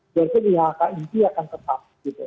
berarti ihk ini akan tetap